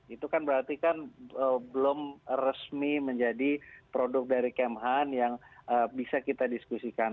itu kan berarti kan belum resmi menjadi produk dari kemhan yang bisa kita diskusikan